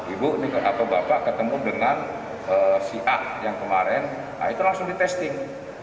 ibu atau bapak ketemu dengan si a yang kemarin itu langsung di testing